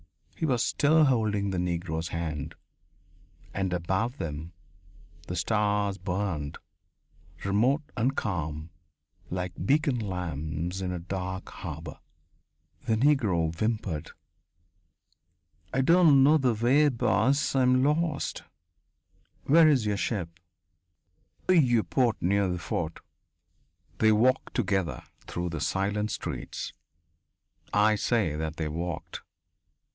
He was still holding the Negro's hand. And above them the stars burned, remote and calm, like beacon lamps in a dark harbour.... The Negro whimpered: "I don't know the way, boss. I'm lost." "Where is your ship?" "In the Vieux Port, near the fort." They walked together through the silent streets. I say that they walked.